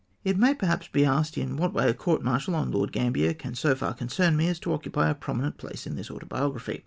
It may perhaps be asked in what way a court martial on Lord Gambler can so far concern me as to occupy a prominent place m this autobiography?